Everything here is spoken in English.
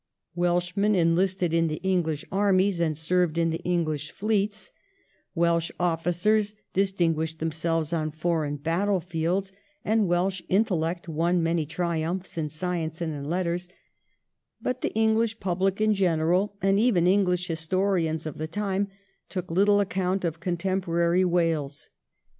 Welsh men enlisted in the EngUsh armies and served in the English fleets ; Welsh officers distinguished them selves on foreign battle fields; and Welsh intellect won many triumphs in science and in letters ; but the English public in general, and even English historians of the time, took little account of contemporary Wales.